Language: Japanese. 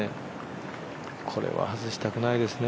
これは外したくないですね